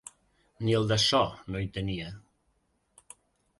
Ni el del so, no hi tenia.